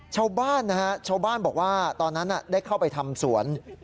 ชาวบ้านนะฮะชาวบ้านบอกว่าตอนนั้นได้เข้าไปทำสวน